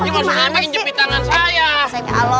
mau senang lagi jepit tangan saya